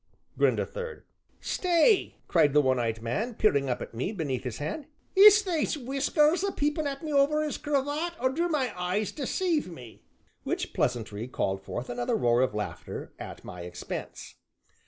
grinned a third. "Stay!" cried the one eyed man, peering up at me beneath his hand. "Is they whiskers a peepin' at me over 'is cravat or do my eyes deceive me?" Which pleasantry called forth another roar of laughter at my expense.